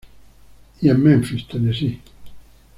Y en memphis Tennessee.